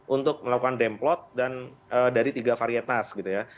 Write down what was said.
untuk melakukan demplot dan dari tiga varietas gitu ya